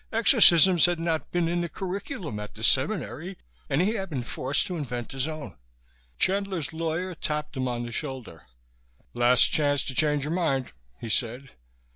Exorcisms had not been in the curriculum at the seminary and he had been forced to invent his own. Chandler's lawyer tapped him on the shoulder. "Last chance to change your mind," he said.